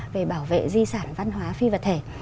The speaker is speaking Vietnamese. về bảo vệ di sản văn hóa phi vật thể